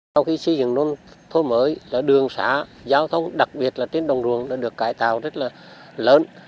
sau khi xây dựng nông thôn mới là đường xã giao thông đặc biệt là trên đồng ruộng đã được cải tạo rất là lớn